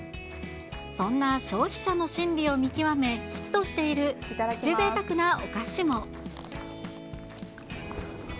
そんな消費者の心理を見極め、ヒットしているプチぜいたくなお菓子も。